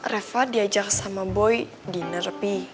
reva diajak sama boy di nerpi